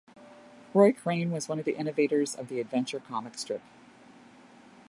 Roy Crane was one of the innovators of the adventure comic strip.